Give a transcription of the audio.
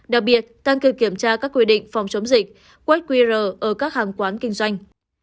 đặc biệt tăng cường kiểm tra các quy định phòng chống dịch quét qr ở các hàng quán kinh doanh